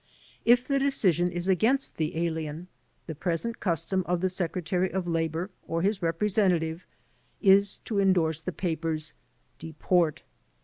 If the decision is against the alien, the present custom of the Secretary of Labor or his repre sentative is to endorse the papers "Deport."